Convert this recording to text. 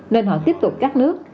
nên họ tiếp tục cắt nước